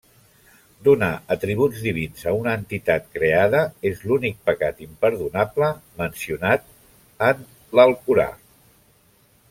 Donar atributs divins a una entitat creada és l'únic pecat imperdonable mencionat en l'Alcorà.